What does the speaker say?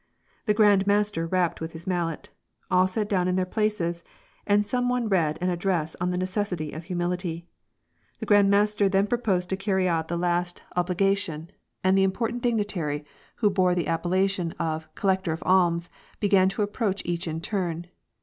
The Grand Master rapped with his mallet. All sat down in their places, and some one read an address on the necessity of humility. The Grand Master then proposed to carry out the last obli 86 War and p^acs. gation, and the important dignitary, who bore the appeUati<m of "Collector of Alms," began to approach each in turn.